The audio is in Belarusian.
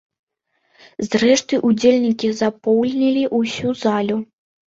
Зрэшты, удзельнікі запоўнілі ўсю залю.